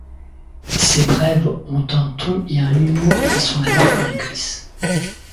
Ces brèves ont un ton et un humour qui sont la marque de Kriss.